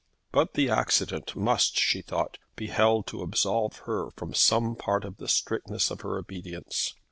But the accident must, she thought, be held to absolve her from some part of the strictness of her obedience.